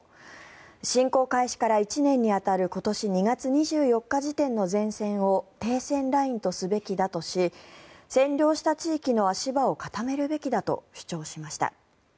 侵攻開始から１年に当たる今年２月２４日時点の前線を停戦ラインとすべきだとし占領した地域の足場を固めるべきだと主張しました。